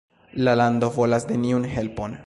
La lando volas neniun helpon.